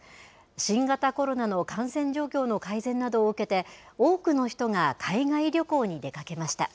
新型コロナの感染状況の改善などを受けて、多くの人が海外旅行に出かけました。